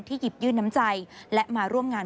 หยิบยื่นน้ำใจและมาร่วมงาน